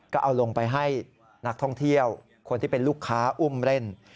ก็เอาลงไปให้นักท่องเที่ยวคนที่เป็นลูกค้าอุ้มเล่น